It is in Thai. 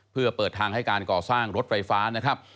เพื่อเปิดทางให้การก่อสร้างรถไฟฟ้านะครับ